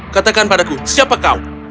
katakan padaku siapa kau